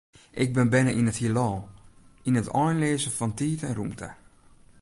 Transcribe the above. Ik bin berne yn it Hielal, yn it einleaze fan tiid en rûmte.